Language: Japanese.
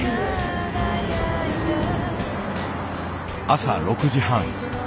朝６時半。